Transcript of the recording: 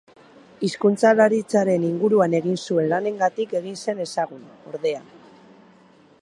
Hizkuntzalaritzaren inguruan egin zuen lanengatik egin zen ezagun, ordea.